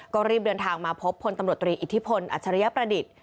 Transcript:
ก็รีบเดินทางมาพบพลตำรวจตรีอิทธิพลอัจฉริยประดิษฐ์